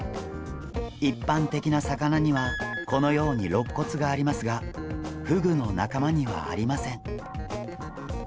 一般的な魚にはこのようにろっ骨がありますがフグの仲間にはありません。